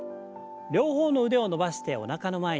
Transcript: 両方の腕を伸ばしておなかの前に。